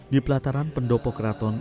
di pelataran pendopo keraton